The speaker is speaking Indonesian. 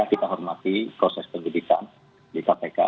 kita hormati proses pendidikan di kpk